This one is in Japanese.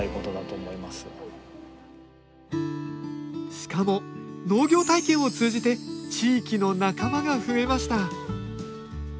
しかも農業体験を通じて地域の仲間が増えました